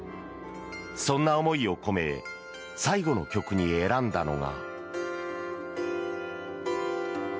そんな思いを込め最後の曲に選んだのが。